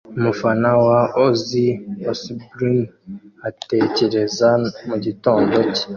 Umufana wa Ozzy Osbourne atekereza mugitondo cye